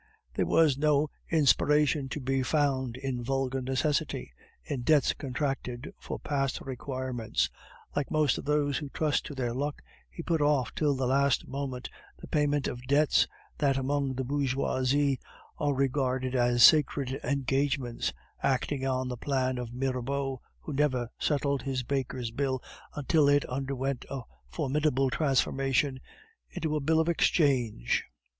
There was no inspiration to be found in vulgar necessity, in debts contracted for past requirements. Like most of those who trust to their luck, he put off till the last moment the payment of debts that among the bourgeoisie are regarded as sacred engagements, acting on the plan of Mirabeau, who never settled his baker's bill until it underwent a formidable transformation into a bill of exchange.